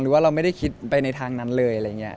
ว่าเราไม่ได้คิดไปในทางนั้นเลยอะไรอย่างนี้